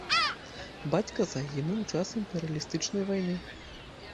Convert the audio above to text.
Бацька загінуў у час імперыялістычнай вайны.